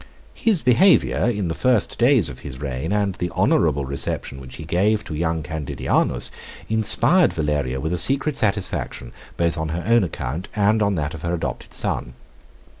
His behavior, in the first days of his reign, and the honorable reception which he gave to young Candidianus, inspired Valeria with a secret satisfaction, both on her own account and on that of her adopted son.